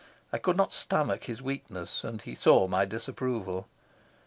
I could not stomach his weakness, and he saw my disapproval.